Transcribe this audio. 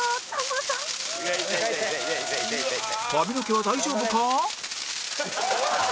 髪の毛は大丈夫か？